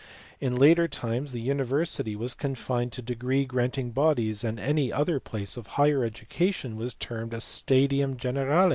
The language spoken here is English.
In later times the title of university was con fined to degree granting bodies, and any other place of higher education was termed a studium generale.